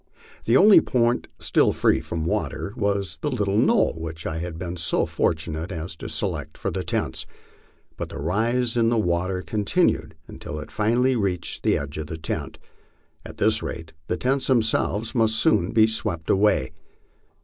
The only point still free from water was the little knoll which I had been so fortunate as to select for the tents. But the rise in the water continued until it finally reached the edge of the tent. At this rate the tents themselves must soon be swept away.